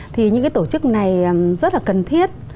thì những tổ chức này rất là cần thiết